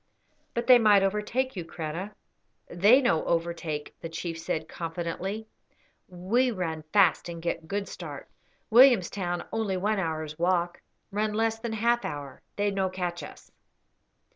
"But they might overtake you, Kreta." "They no overtake," the chief said, confidently. "We run fast and get good start. Williamstown only one hour's walk; run less than half hour. They no catch us."